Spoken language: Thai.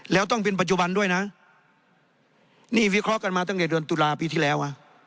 แล้วต้องเป็นปัจจุบันด้วยนะนี่วิเคราะห์กันมาตั้งแต่เดือนตุลาปีที่แล้ว